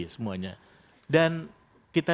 semuanya dan kita